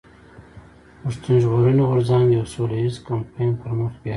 پښتون ژغورني غورځنګ يو سوله ايز کمپاين پر مخ بيايي.